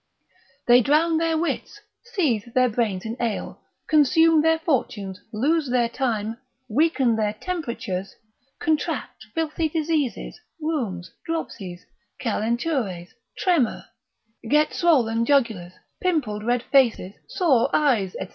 They drown their wits, seethe their brains in ale, consume their fortunes, lose their time, weaken their temperatures, contract filthy diseases, rheums, dropsies, calentures, tremor, get swollen jugulars, pimpled red faces, sore eyes, &c.